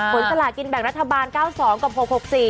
สลากินแบ่งรัฐบาล๙๒กับ๖๖๔